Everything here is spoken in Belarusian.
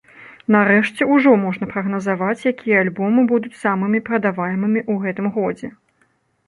Нарэшце, ужо можна прагназаваць, якія альбомы будуць самымі прадаваемымі ў гэтым годзе.